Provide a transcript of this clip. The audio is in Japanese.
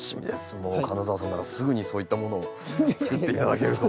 もう金澤さんならすぐにそういったものをつくって頂けると。